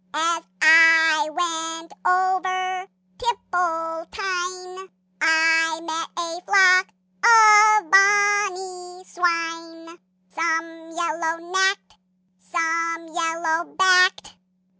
As I went over Tipple tine I met a flock of bonny swine; Some yellow nacked, some yellow backed!